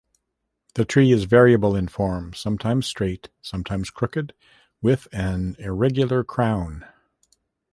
The tree is variable in form, sometimes straight, sometimes crooked, with an irregular crown.